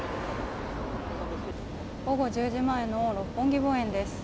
午後１０時前の六本木墓園です。